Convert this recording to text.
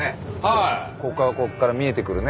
ここからここから見えてくるね。